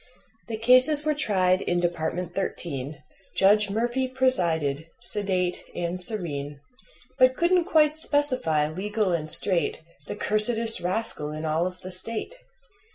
The cases were tried in Department Thirteen, Judge Murphy presided, sedate and serene, But couldn't quite specify, legal and straight, The cursedest rascal in all of the State.